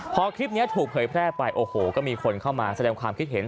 พอคลิปนี้ถูกเผยแพร่ไปโอ้โหก็มีคนเข้ามาแสดงความคิดเห็น